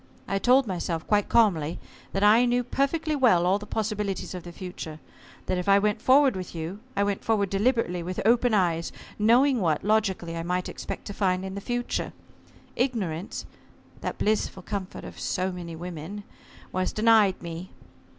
I told myself, quite calmly, that I knew perfectly well all the possibilities of the future. That if I went forward with you, I went forward deliberately with open eyes, knowing what, logically, I might expect to find in the future. Ignorance that blissful comfort of so many women, was denied me.